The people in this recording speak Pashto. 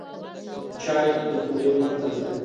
چای د خولې خوند تازه کوي